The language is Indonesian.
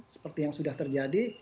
seperti yang sudah terjadi